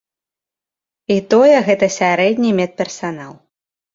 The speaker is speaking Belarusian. І тое гэта сярэдні медперсанал.